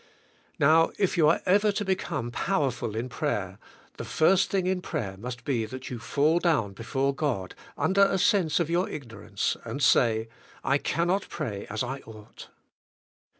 Now, if you are ever to become powerful in prayer, the first thing in prayer must be that you fall down before God, under a sense of your ignor ance, and say, I cannot pray as I ought.